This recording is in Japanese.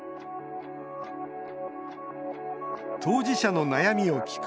当事者の悩みを聞く